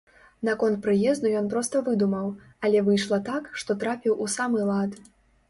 Наконт прыезду ён проста выдумаў, але выйшла так, што трапіў у самы лад.